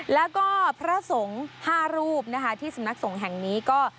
แล้วก็พระทรงภารูปที่สำนักสงฆ์แห่งนี้ก็